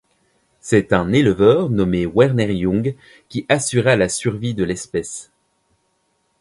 C'est un éleveur nommé Werner Jung qui assura la survie de l'espèce.